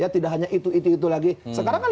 tidak hanya itu itu lagi sekarang kan